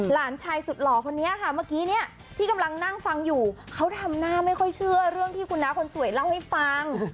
หลานชายสุดหล่อคนนี้ค่ะเมื่อกี้เนี่ยที่กำลังนั่งฟังอยู่เขาทำหน้าไม่ค่อยเชื่อเรื่องที่คุณน้าคนสวยเล่าให้ฟัง